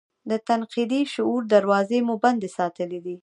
د تنقیدي شعور دراوزې مو بندې ساتلي دي.